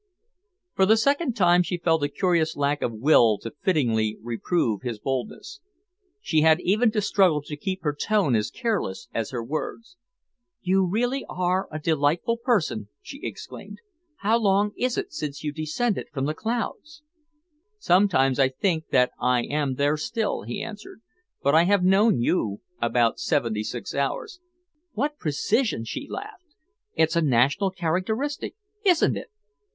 For the second time she felt a curious lack of will to fittingly reprove his boldness. She had even to struggle to keep her tone as careless as her words. "You really are a delightful person!" she exclaimed. "How long is it since you descended from the clouds?" "Sometimes I think that I am there still," he answered, "but I have known you about seventy six hours." "What precision?" she laughed. "It's a national characteristic, isn't it?